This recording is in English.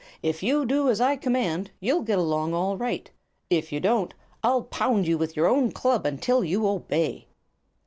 If you do as I command, you'll get along all right; if you don't, I'll pound you with your own club until you obey."